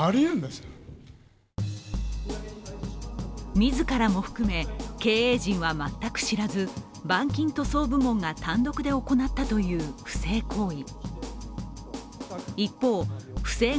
自らも含め、経営陣は全く知らず板金塗装部門が単独で行ったという不正行為。